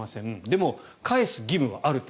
でも、返す義務はあると。